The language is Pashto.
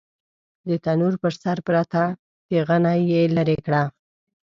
د تنور پر سر پرته تېغنه يې ليرې کړه.